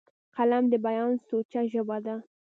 قلم د بیان سوچه ژبه ده